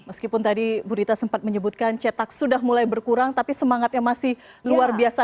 meskipun tadi bu rita sempat menyebutkan cetak sudah mulai berkurang tapi semangatnya masih luar biasa